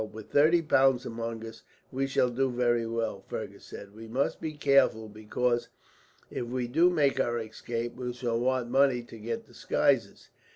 With thirty pounds among us, we shall do very well," Fergus said. "We must be careful because, if we do make our escape, we shall want money to get disguises."